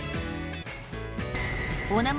お名前